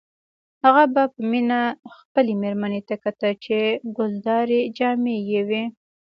هغه به په مینه خپلې میرمنې ته کتل چې ګلدارې جامې یې وې